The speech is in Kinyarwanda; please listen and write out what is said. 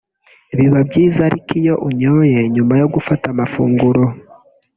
biba byiza ariko iyo uyanyoye nyuma yo gufata amafunguro